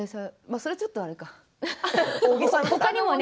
それはちょっとあれか。